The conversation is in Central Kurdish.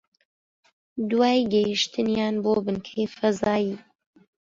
دوای گەیشتنیان بۆ بنکەی فەزایی